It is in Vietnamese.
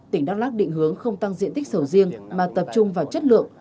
tỉnh đắk lắc định hướng không tăng diện tích sầu riêng mà tập trung vào chất lượng